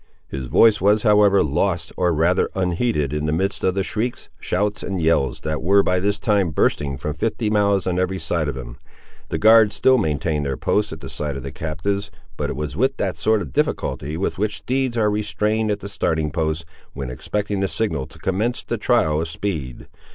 His voice was, however, lost, or rather unheeded, in the midst of the shrieks, shouts, and yells that were, by this time, bursting from fifty mouths on every side of him. The guards still maintained their posts at the side of the captives, but it was with that sort of difficulty with which steeds are restrained at the starting post, when expecting the signal to commence the trial of speed.